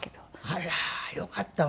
あらよかったわね